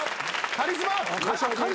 カリスマ？